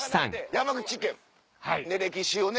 山口県歴史をね